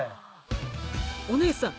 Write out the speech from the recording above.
お姉さん！